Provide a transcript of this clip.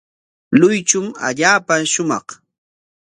Luychum allaapa shumaq.